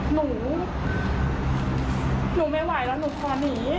หนูหนูไม่ไหวแล้วหนูขอหนี